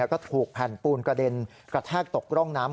ก็ถูกแผ่นปูนกระเด็นกระแทกตกร่องน้ำ